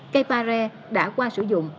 cây pare đã qua sử dụng